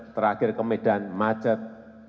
terakhir ke medan macet